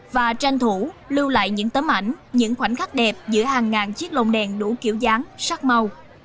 và tranh thủ lưu lại những tấm ảnh những khoảnh khắc đẹp giữa hàng ngàn chiếc lồng đèn đủ kiểu dáng sắc màu